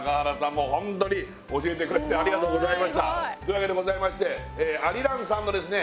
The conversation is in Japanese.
もうホントに教えてくれてというわけでございましてアリランさんのですね